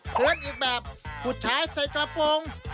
เผลออีกแบบผู้ชายใส่กระป๋อง